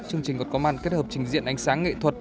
chương trình còn có màn kết hợp trình diện ánh sáng nghệ thuật